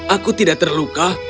aku tidak terluka